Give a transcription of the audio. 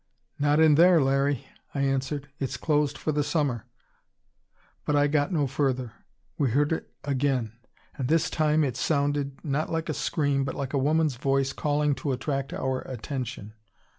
"Not in there, Larry," I answered. "It's closed for the summer " But I got no further; we heard it again. And this time it sounded, not like a scream, but like a woman's voice calling to attract our attention.